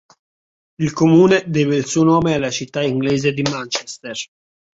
Il comune deve il suo nome alla città inglese di Manchester.